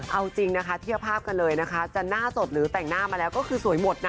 เอาจริงนะคะเทียบภาพกันเลยนะคะจะหน้าสดหรือแต่งหน้ามาแล้วก็คือสวยหมดนะ